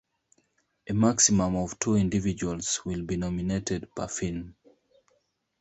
A maximum of two individuals will be nominated per film.